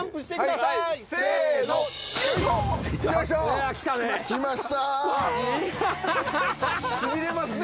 しびれますね